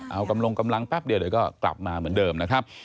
เอากำลังแป๊บเดียวเดี๋ยวก็กลับมาเหมือนเดิมนะครับ